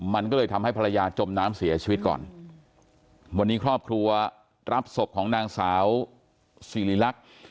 มันก็เลยทำให้ภรรยาจมน้ำเสียชีวิตก่อนวันนี้ครอบครัวรับศพของนางสาวสิริลักษณ์